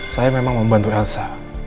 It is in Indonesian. saya memang membantu elsa